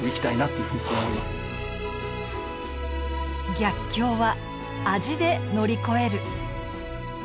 逆境は「味」で乗り越える。